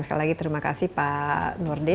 sekali lagi terima kasih pak nurdi